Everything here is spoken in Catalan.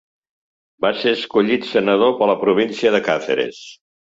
Va ser escollit senador per la província de Càceres.